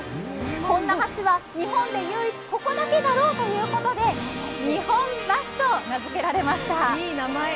こんな橋は日本で唯一、ここだけだろうということで日本箸と名づけられました。